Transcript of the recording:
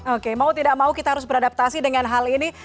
oke mau tidak mau kita harus beradaptasi dengan hal ini